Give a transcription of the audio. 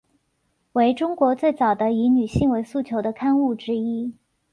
为中国最早的以女性为诉求的刊物之一。